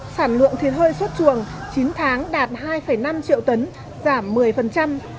sản lượng thịt hơi xuất chuồng chín tháng đạt hai năm triệu tấn giảm một mươi